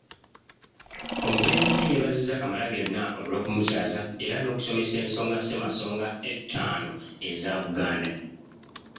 Omukulembeze yeebazizza Kamalabyonna olw’okumukyaza era n’okumusomesa ensonga Ssemasonga ettaano eza Buganda.